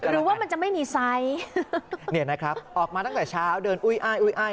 หรือว่ามันจะไม่มีไซส์เนี่ยนะครับออกมาตั้งแต่เช้าเดินอุ้ยอ้ายอุ้ยอ้าย